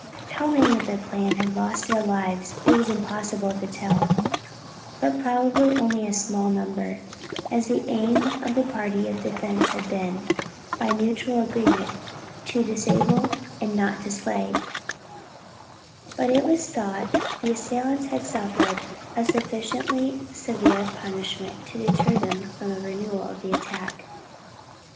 How many of the Klan had lost their lives it was impossible to tell, but probably only a small number, as the aim of the party of defense had been, by mutual agreement, to disable and not to slay; but it was thought the assailants had suffered a sufficiently severe punishment to deter them from a renewal of the attack.